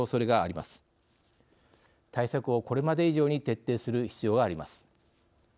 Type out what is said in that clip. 対策をこれまで以上に徹底する必要があります。